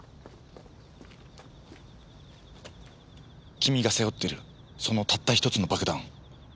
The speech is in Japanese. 君が背負ってるそのたったひとつの爆弾。